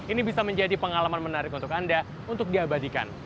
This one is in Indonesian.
ini bisa menjadi pengalaman menarik untuk anda untuk diabadikan